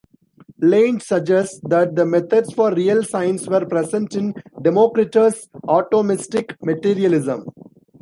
Lange suggests that the methods for real science were present in Democritus's atomistic materialism.